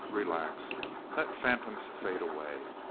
Relax. Let the phantoms fade away.